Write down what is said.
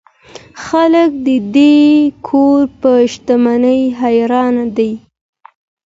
خلک د دې کور پر شتمنۍ حیران دي.